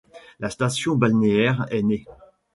La station balnéaire est née.